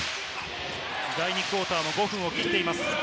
第２クオーターも５分を切っています。